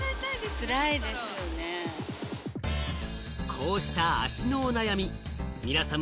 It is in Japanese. こうした足のお悩み、皆さん